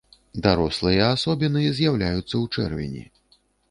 Дарослыя асобіны з'яўляюцца ў чэрвені.